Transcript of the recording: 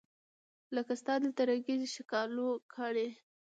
لکه ستا دلته رنګینې ښکالو ګانې